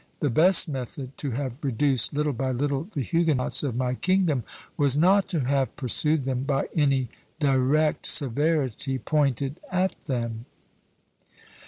The best method to have reduced little by little the Huguenots of my kingdom, was not to have pursued them by any direct severity pointed at them."